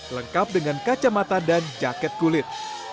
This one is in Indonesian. lengkap dengan kacamata dan jaket kulit